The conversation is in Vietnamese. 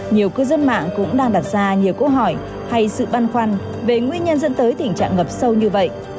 nhiều cư dân mạng cũng đang đặt ra nhiều câu hỏi hay sự băn khoăn về nguyên nhân dẫn tới tình trạng ngập sâu như vậy